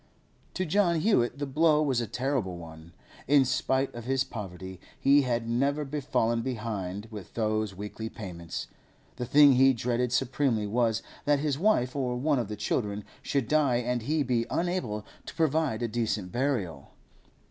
To John Hewett the blow was a terrible one. In spite of his poverty, he had never fallen behind with those weekly payments. The thing he dreaded supremely was, that his wife or one of the children should die and he be unable to provide a decent burial.